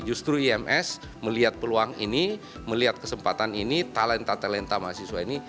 justru ims melihat peluang ini melihat kesempatan ini talenta talenta mahasiswa ini